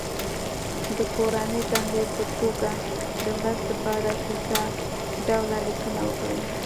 د کورنۍ دندې په توګه د مرستې په اړه کیسه ډوله لیکنه وکړي.